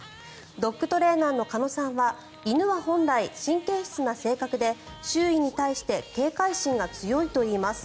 ドッグトレーナーの鹿野さんは犬は本来、神経質な性格で周囲に対して警戒心が強いといいます。